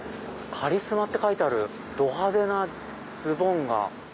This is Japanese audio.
カリスマって書いてあるど派手なズボンが。